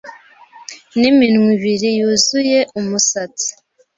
N'iminwa ibiri yuzuye umusatsi